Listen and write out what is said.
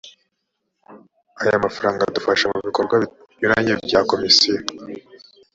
aya mafaranga adufasha mu bikorwa binyuranye bya komisiyo .